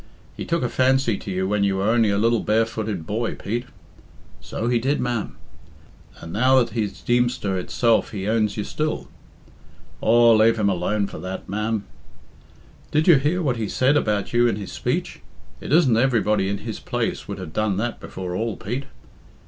"He took a fancy to you when you were only a little barefooted boy, Pete." "So he did, ma'am." "And now that he's Deemster itself he owns you still." "Aw, lave him alone for that, ma'am." "Did you hear what he said about you in his speech. It isn't everybody in his place would have done that before all, Pete."